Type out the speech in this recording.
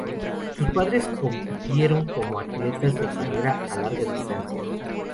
Sus padres compitieron como atletas de carrera a larga distancia.